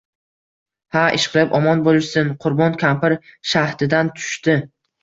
— Ha, ishqilib omon boʼlishsin… — Qurbon kampir shahdidan tushdi.